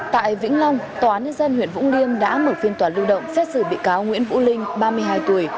tại vĩnh long tòa án nhân dân huyện vũng liêm đã mở phiên tòa lưu động xét xử bị cáo nguyễn vũ linh ba mươi hai tuổi